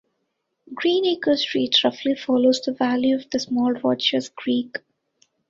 Greenacres Street roughly follows the valley of the small Rodgers Creek.